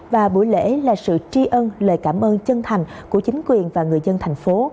và buổi lễ là sự tri ân lời cảm ơn chân thành của chính quyền và người dân thành phố